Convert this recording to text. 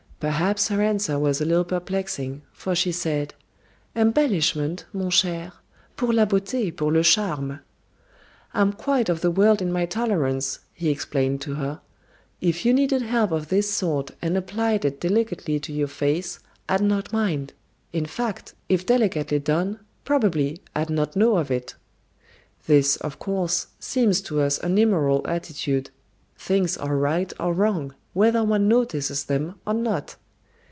Perhaps her answer was a little perplexing, for she said, "Embellishment, mon cher. Pour la beauté, pour la charme!" "I'm quite of the world in my tolerance," he explained to her. "If you needed help of this sort and applied it delicately to your face I'd not mind. In fact, if delicately done, probably I'd not know of it." This, of course, seems to us an immoral attitude. Things are right or wrong, whether one notices them or not.